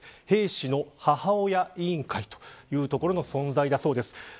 兵士の母親委員会というところの存在です。